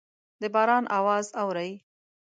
د باران اواز اورئ